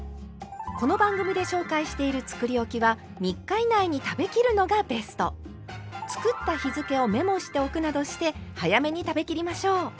この番組で紹介しているつくりおきは３日以内に食べきるのがベスト。などして早めに食べきりましょう。